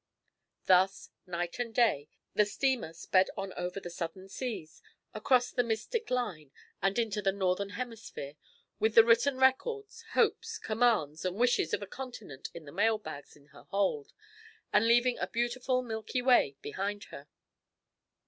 Thus, night and day, the steamer sped on over the southern seas, across the mystic line, and into the northern hemisphere, with the written records, hopes, commands, and wishes of a continent in the mail bags in her hold, and leaving a beautiful milky way behind her.